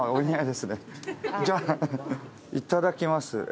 じゃあいただきます。